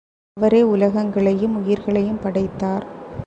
அவரே உலகங்களையும் உயிர்களையும் படைத்தார்.